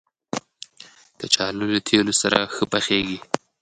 کچالو له تېلو سره ښه پخېږي